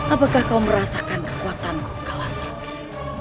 apakah kau merasakan kekuatanku kalas renggi